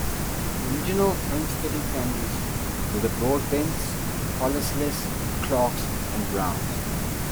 The original homesteading families were the Broadbents, Carlisles, Clarks, and Browns.